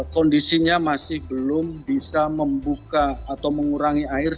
kondisinya masih belum bisa membuka atau mengurangi air